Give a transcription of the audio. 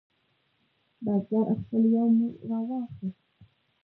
بزګر خپل یوم راواخست.